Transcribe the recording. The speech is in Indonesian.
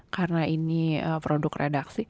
karena ini produk redaksi